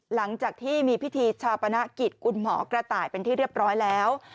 หลังจากที่มีพิธีชาปนกิจคุณหมอกระต่ายเป็นที่เรียบร้อยแล้ว